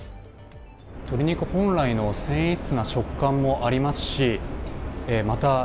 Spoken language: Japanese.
鶏肉本来の繊維質の食感もありますしまた